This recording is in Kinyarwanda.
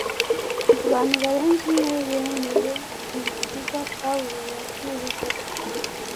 Abantu barenze umwe bemeye Umukiza Pawulo yabwirizaga